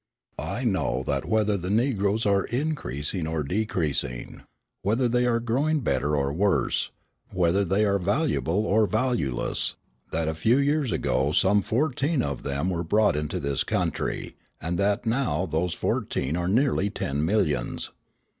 I know that whether the Negroes are increasing or decreasing, whether they are growing better or worse, whether they are valuable or valueless, that a few years ago some fourteen of them were brought into this country, and that now those fourteen are nearly ten millions.